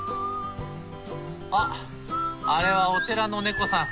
あっあれはお寺の猫さん。